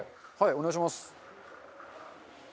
お願いします。